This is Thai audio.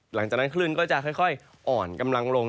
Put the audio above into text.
หลังจากนั้นคลื่นก็จะค่อยอ่อนกำลังลง